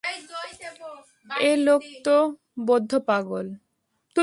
এ লোক তো বদ্ধ পাগল!